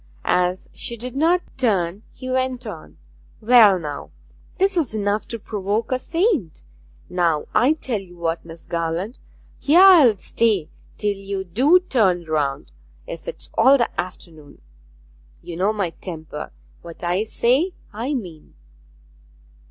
As she did not turn he went on 'Well, now, this is enough to provoke a saint. Now I tell you what, Miss Garland; here I'll stay till you do turn round, if 'tis all the afternoon. You know my temper what I say I mean.'